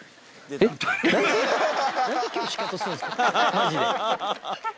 マジで。